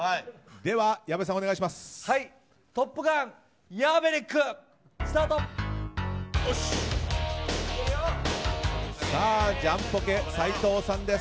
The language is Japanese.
では、矢部さんお願いします。